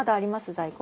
在庫。